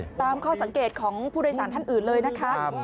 เจ้าสังเกตของผู้ใดสารท่านอื่นเลยนะครับ